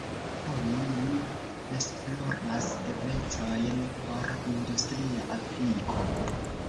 Oni nun esploras eblecojn por industria apliko.